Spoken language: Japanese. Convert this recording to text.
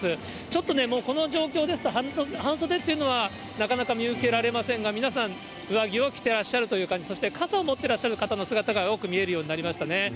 ちょっとね、もうこの状況ですと、半袖というのは、なかなか見受けられませんが、皆さん、上着を着てらっしゃるという感じ、そして傘を持ってらっしゃる方の姿が多く見えるようになりましたね。